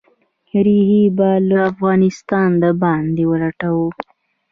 ریښې به «له افغانستانه د باندې ولټوو».